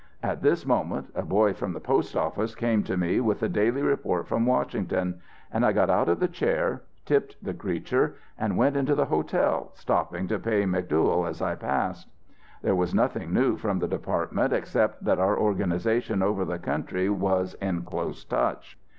"At this moment a boy from the postoffice came to me with the daily report from Washington, and I got out of the chair, tipped the creature, and went into the hotel, stopping to pay McDuyal as I passed. "There was nothing new from the department except that our organization over the country was in close touch.